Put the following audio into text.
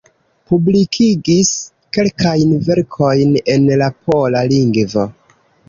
Publikigis kelkajn verkojn en la pola lingvo.